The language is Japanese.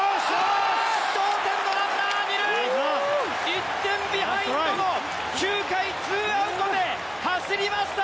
１点ビハインドの９回２アウトで走りました。